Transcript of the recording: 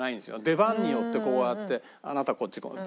出番によってこうやってあなたこっち。